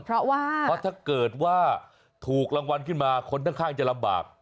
เพราะว่าเพราะถ้าเกิดว่าถูกรางวัลขึ้นมาคนข้างจะลำบาก